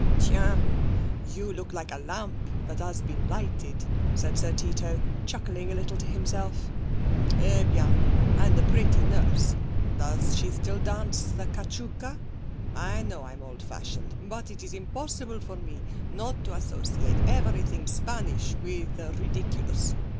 'Tiens! You look like a lamp that has been lighted,' said Sir Tito, chuckling a little to himself. 'Eh, bien! and the pretty nurse? Does she still dance the Cachuca? I know I'm old fashioned, but it's impossible for me not to associate everything Spanish with the ridiculous.